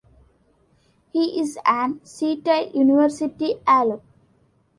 He is an Seattle University Alum.